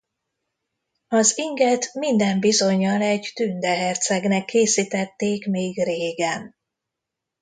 Az inget minden bizonnyal egy tünde hercegnek készítették még régen.